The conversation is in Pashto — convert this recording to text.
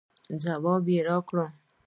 ځواب راکړئ